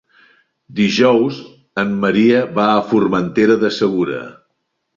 Dijous en Maria va a Formentera del Segura.